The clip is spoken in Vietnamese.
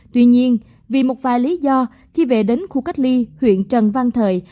tuy nhiên vì một vài lý do khi về đến khu cách ly huyện trần văn thời